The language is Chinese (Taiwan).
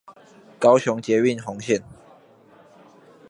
高雄捷運紅線